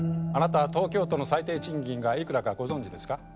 あなたは東京都の最低賃金がいくらかご存じですか？